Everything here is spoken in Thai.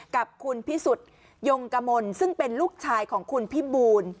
กับคุณพิสุทธิ์ยงกมลซึ่งเป็นลูกชายของคุณพิบูล